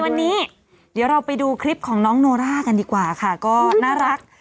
วันนี้เดี๋ยวเราไปดูคลิปของน้องโนร่ากันดีกว่าค่ะก็น่ารัก